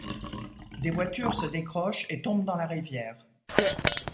Des voitures se décrochent et tombent dans la rivière.